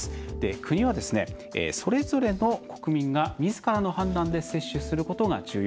国はそれぞれの国民がみずからの判断で接種することが重要。